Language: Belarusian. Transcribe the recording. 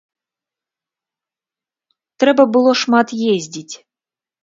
Трэба было шмат ездзіць.